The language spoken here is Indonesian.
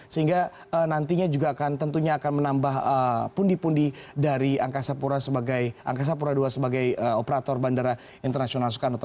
sehingga nantinya juga akan tentunya akan menambah pundi pundi dari angkasa pura ii sebagai operator bandara internasional soekarno ha